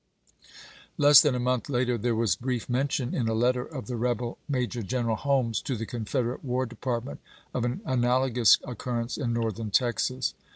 Less than a month later there was brief mention in a letter of the rebel Major General Holmes to the Confederate War Department of an analogous occurrence in Northern Texas.